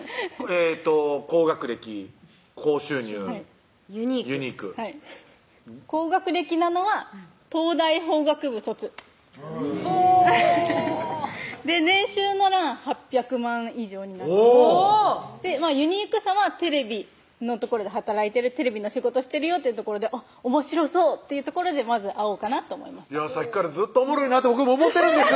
高学歴・高収入・ユニーク高学歴なのは東大法学部卒年収の欄８００万以上におぉユニークさはテレビの所で働いてるテレビの仕事してるよというところでおもしろそうっていうところでまず会おうかなと思いましたさっきからずっとおもろいなって僕も思ってるんです